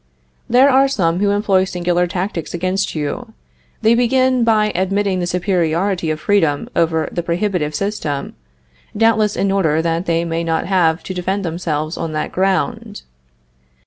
There are some who employ singular tactics against you. They begin by admitting the superiority of freedom over the prohibitive system, doubtless in order that they may not have to defend themselves on that ground.